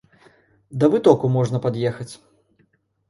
Да вытоку можна пад'ехаць.